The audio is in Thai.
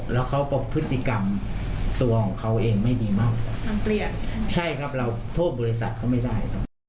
แล้วเขาบอกพฤติกรรมตัวของเขาเองไม่ดีมากมันเปลี่ยนใช่ครับเราโทษบริษัทเขาไม่ได้ครับ